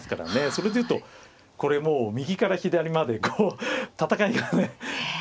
それで言うとこれもう右から左まで戦いがね